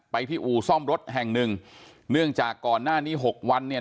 ที่อู่ซ่อมรถแห่งหนึ่งเนื่องจากก่อนหน้านี้หกวันเนี่ย